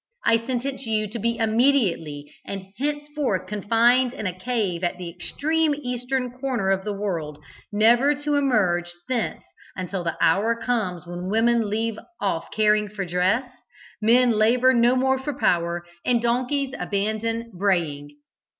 I sentence you to be immediately and henceforth confined in a cave at the extreme eastern corner of the world, never to emerge thence until the hour comes when women leave off caring for dress, men labour no more for power, and donkeys abandon braying."